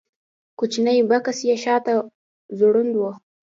کوچنی بکس یې شاته ځوړند و.